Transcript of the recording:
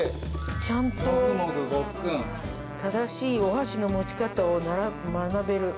ちゃんと正しいお箸の持ち方を学べる。